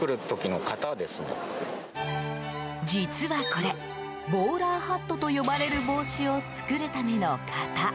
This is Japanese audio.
実は、これボーラーハットと呼ばれる帽子を作るための型。